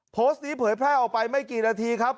โพสต์นี้เผยแพร่ออกไปไม่กี่นาทีครับ